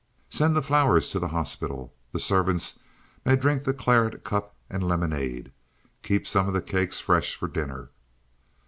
"Send the flowers to the hospital. The servants may drink the claret cup and lemonade. Keep some of the cakes fresh for dinner."